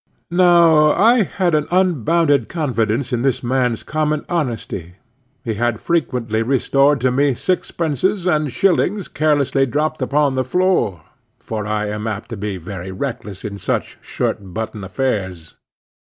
Now I had an unbounded confidence in this man's common honesty. He had frequently restored to me sixpences and shillings carelessly dropped upon the floor, for I am apt to be very reckless in such shirt button affairs.